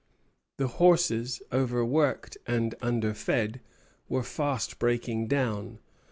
The horses, overworked and underfed, were fast breaking down.